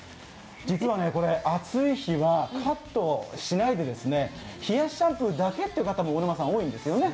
実はこれ、暑い日はカットしないで冷やしシャンプーだけっていう人も多いんですよね。